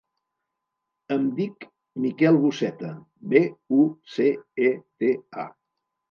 Em dic Miquel Buceta: be, u, ce, e, te, a.